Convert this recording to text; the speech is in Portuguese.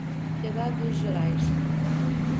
Piedade dos Gerais